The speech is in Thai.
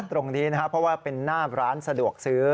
ตรงนี้นะครับเพราะว่าเป็นหน้าร้านสะดวกซื้อ